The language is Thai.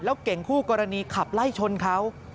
เก่งคู่กรณีขับไล่ชนเขา